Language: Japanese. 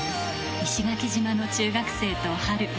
石垣島の中学生と波瑠。